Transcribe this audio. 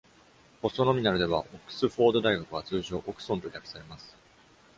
ポストノミナルでは、「オックスフォード大学」は通常「オクソン」と略されます。